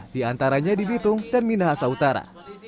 diantaranya di bitung dan minahasa utara